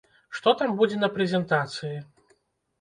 Што там будзе на прэзентацыі?